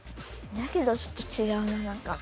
だけどちょっとちがうな何か。